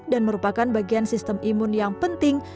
dan merupakan bagian sistem imun yang penting